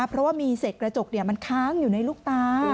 เพราะว่ามีเศษกระจกมันค้างอยู่ในลูกตา